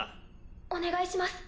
お願いします。